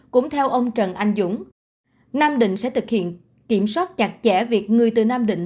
cũng theo ông trần anh dũng nam định sẽ thực hiện kiểm soát chặt chẽ việc người từ nam định